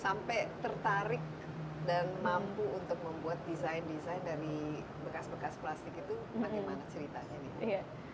sampai tertarik dan mampu untuk membuat desain desain dari bekas bekas plastik itu bagaimana ceritanya nih